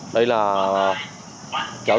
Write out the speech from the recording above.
đây là kéo rác